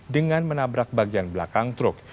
dengan menabrak bagian belakang truk